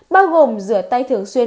bao gồm rửa tay thường xuyên